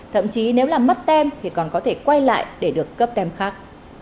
thậm chí nếu làm mất tem thì còn có thể quay lại để được cấp tem khác